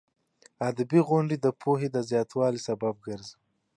ادبي غونډې د پوهې د زیاتوالي سبب ګرځي.